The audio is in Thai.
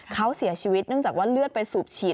เขาเสียชีวิตเนื่องจากว่าเลือดไปสูบฉีด